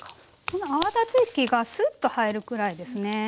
この泡立て器がスッと入るくらいですね。